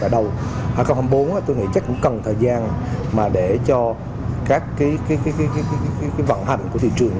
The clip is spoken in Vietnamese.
đầu hai nghìn hai mươi bốn tôi nghĩ chắc cũng cần thời gian mà để cho các vận hành của thị trường